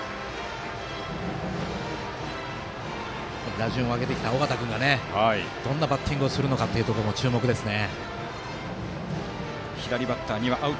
打順を上げてきた尾形君がどんなバッティングをするか注目ですね。